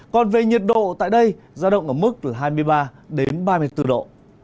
còn về nhiệt độ tại đây giao động ở mức hai mươi ba ba mươi bốn độ